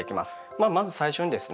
まあまず最初にですね